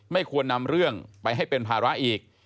ไม่ควรนำเรื่องไปให้เป็นภาระอีก